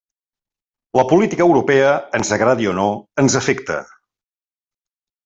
La política europea, ens agradi o no, ens afecta.